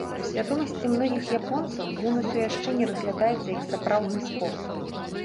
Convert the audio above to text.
У свядомасці многіх японцаў ён усё яшчэ не разглядаецца як сапраўдны спорт.